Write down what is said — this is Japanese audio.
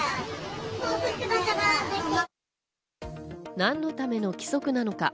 何のための規則なのか？